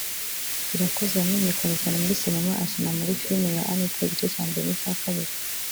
Irakoze yamenyekanye cyane muri sinema akina muri filime ya “Anita’’ igice cya mbere n’icya kabiri